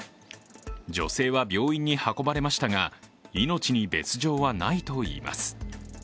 女性は病院に運ばれましたが、命に別状はないといいます。